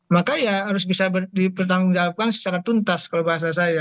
maka ya harus bisa dipertanggungjawabkan secara tuntas kalau bahasa saya